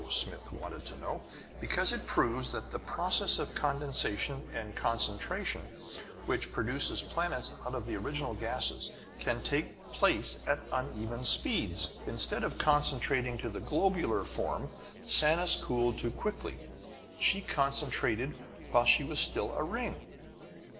Smith wanted to know. "Because it proves that the process of condensation and concentration, which produces planets out of the original gases can take place at uneven speeds! Instead of concentrating to the globular form, Sanus cooled too quickly; she concentrated while she was still a ring!"